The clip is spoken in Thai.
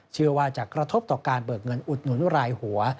เชื่อว่าจะกระทบต่อการเบิกเงินอุดหนุนรายหัว